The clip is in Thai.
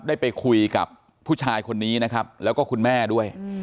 ได้ไปคุยกับผู้ชายคนนี้นะครับแล้วก็คุณแม่ด้วย